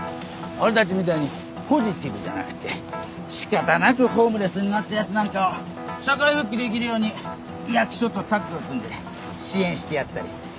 俺たちみたいにポジティブじゃなくて仕方なくホームレスになったやつなんかを社会復帰できるように役所とタッグを組んで支援してやったり。